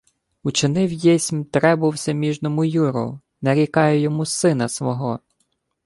— Учинив єсмь требу всеміжному Юру. Нарікаю йому сина свого!